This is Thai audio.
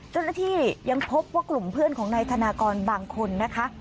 ยังพบว่ากลุ่มเพื่อนของนายธนากรบางคนนะคะ